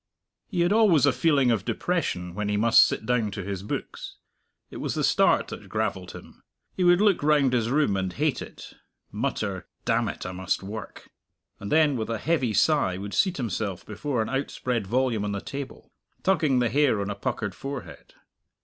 He had always a feeling of depression when he must sit down to his books. It was the start that gravelled him. He would look round his room and hate it, mutter "Damn it, I must work;" and then, with a heavy sigh, would seat himself before an outspread volume on the table, tugging the hair on a puckered forehead.